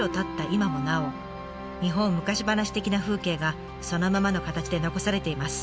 今もなお「日本昔ばなし」的な風景がそのままの形で残されています。